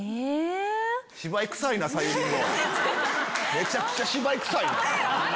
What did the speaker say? めちゃくちゃ芝居くさい。